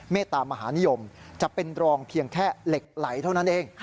ตามหานิยมจะเป็นรองเพียงแค่เหล็กไหลเท่านั้นเอง